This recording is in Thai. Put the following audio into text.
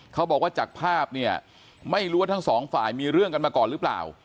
เขาบอกว่าจากภาพเนี่ยไม่รู้ว่าทั้งสองฝ่ายมีเรื่องกันมาก่อนหรือเปล่า